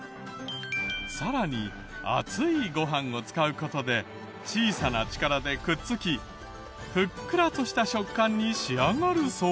さらに熱いご飯を使う事で小さな力でくっつきふっくらとした食感に仕上がるそう。